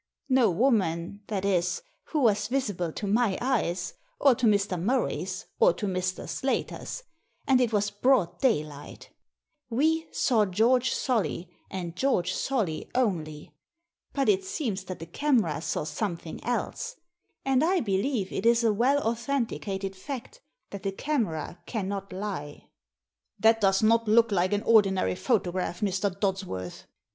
No woman, that is, who was visible to my eyes, or to Mr. Murray's or to Mr. Slater's, and it was broad day light We saw George Solly, and George Solly only ; but it seems that the camera saw something else, and I believe it is a well authenticated fact that the camera cannot lie." "That does not look like an ordinary photograph, Mr. Dodsworth."